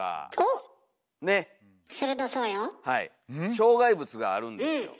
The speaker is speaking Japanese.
障害物があるんですよ。